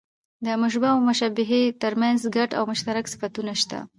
د مشبه او مشبه به؛ تر منځ ګډ او مشترک صفتونه سته.